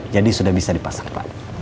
jadi sudah bisa dipasang pak